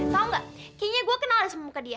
tau nggak kayaknya gua kenal dari muka dia